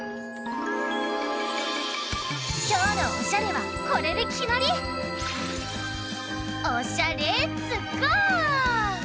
きょうのオシャレはこれできまり！オシャレッツゴー！